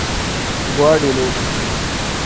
Guadeloupe